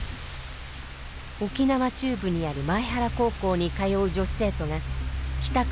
沖縄中部にある前原高校に通う女子生徒が帰宅